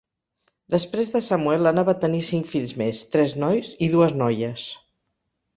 Després de Samuel Anna va tenir cinc fills més, tres nois i dues noies.